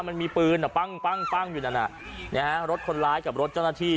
มันมีปืนอ่ะปั้งปั้งอยู่นั่นรถคนร้ายกับรถเจ้าหน้าที่